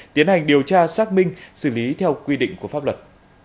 tiến hành điều tra xác minh xử lý theo quy định của pháp luật